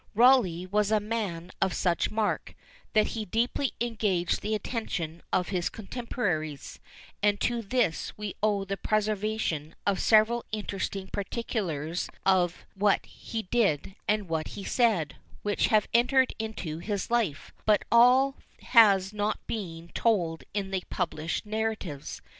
Rawleigh was a man of such mark, that he deeply engaged the attention of his contemporaries; and to this we owe the preservation of several interesting particulars of what he did and what he said, which have entered into his life; but all has not been told in the published narratives.